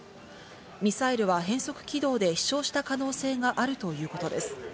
ミサイルは変速軌道で飛翔した可能性があるということです。